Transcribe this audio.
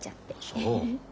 そう。